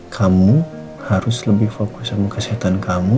kamu harus lebih fokus sama kesehatan kamu